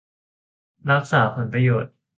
รักษาผลประโยชน์